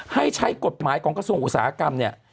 ให้ใช้กฎหมายของกระทรวงอุตสาหกรรมเนี่ย